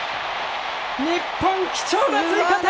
日本、貴重な追加点！